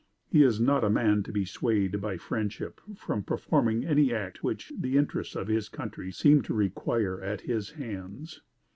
He is not a man to be swayed by friendship from performing any act which the interests of his country seem to require at his hands.